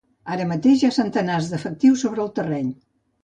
Ara mateix hi ha centenars d’efectius sobre el terreny.